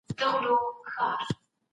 تل په حقه لاره قدم واخلئ.